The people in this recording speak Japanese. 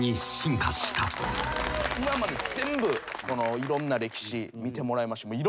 今まで全部このいろんな歴史見てもらいました。